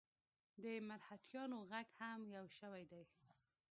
د مرهټیانو ږغ هم یو شوی دی.